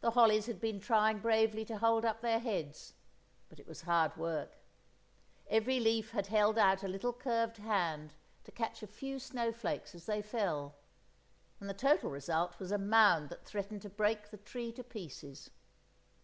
The hollies had been trying bravely to hold up their heads, but it was hard work; every leaf had held out a little curved hand to catch a few snowflakes as they fell, and the total result was a mound that threatened to break the trees to pieces.